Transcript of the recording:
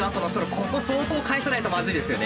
ここ相当返さないとまずいですよね。